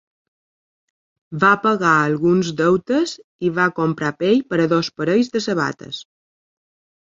Va pagar alguns deutes i va comprar pell per a dos parells de sabates.